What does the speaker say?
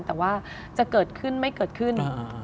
แต่ว่าจะเกิดขึ้นไม่เกิดขึ้น